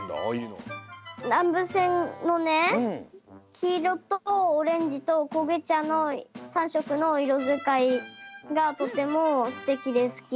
きいろとオレンジとこげちゃの３しょくのいろづかいがとてもすてきですき！